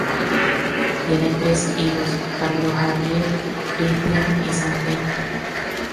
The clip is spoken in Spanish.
Tiene tres hijos: Carlos Javier, Christian y Santiago.